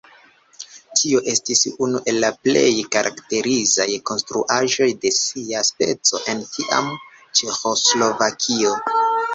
Tio estis unu el la plej karakterizaj konstruaĵoj de sia speco en tiama Ĉeĥoslovakio.